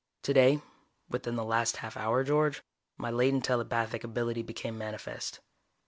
"Today, within the last half hour, George, my latent telepathic ability became manifest.